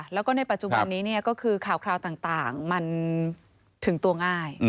แล้วก็ในปัจจุบันนี้ก็คือข่าวต่างมันถึงตัวง่าย